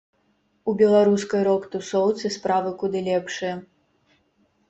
У беларускай рок-тусоўцы справы куды лепшыя.